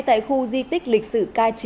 tại khu di tích lịch sử k chín